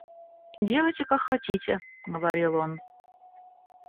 Делайте, как хотите, — говорил он.